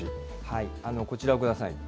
こちらご覧ください。